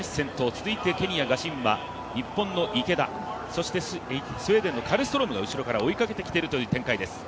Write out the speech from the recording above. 続いて、ケニアのガシンバ、日本の池田そしてスウェーデンのカルストロームが後ろから追いかけてきているという展開です。